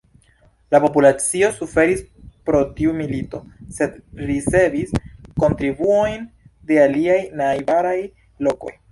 La populacio suferis pro tiu milito, sed ricevis kontribuojn de aliaj najbaraj lokoj.